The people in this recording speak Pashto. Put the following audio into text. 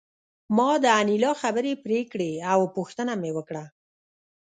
ما د انیلا خبرې پرې کړې او پوښتنه مې وکړه